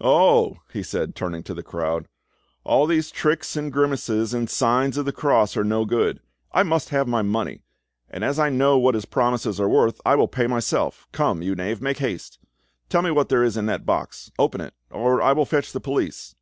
"Oh!" he said, turning to the crowd, "all these tricks and grimaces and signs of the cross are no good. I must have my money, and as I know what his promises are worth, I will pay myself! Come, you knave, make haste. Tell me what there is in that box; open it, or I will fetch the police."